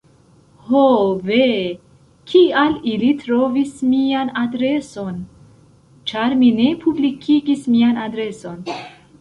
"Ho ve, kial ili trovis mian adreson?" ĉar mi ne publikigis mian adreson.